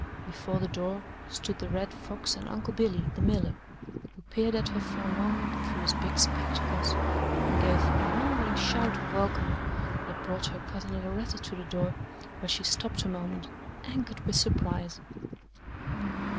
Before the door stood the Red Fox and Uncle Billy, the miller, who peered at her for a moment through his big spectacles and gave her a wondering shout of welcome that brought her cousin Loretta to the door, where she stopped a moment, anchored with surprise.